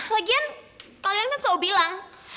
lagian kalian kan selalu bilang